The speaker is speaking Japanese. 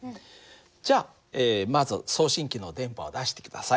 じゃあまず送信機の電波を出して下さい。